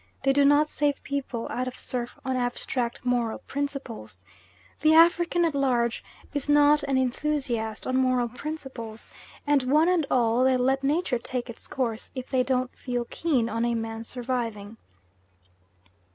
They do not save people out of surf on abstract moral principles. The African at large is not an enthusiast on moral principles, and one and all they'll let nature take its course if they don't feel keen on a man surviving.